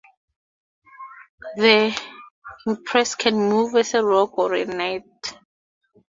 The empress can move as a rook or a knight.